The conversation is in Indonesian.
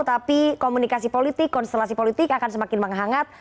tapi komunikasi politik konstelasi politik akan semakin menghangat